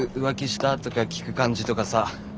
「浮気した？」とか聞く感じとかさ。